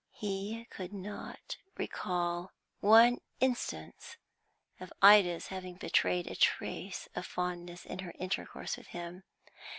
He could not recall one instance of Ida's having betrayed a trace of fondness in her intercourse with him.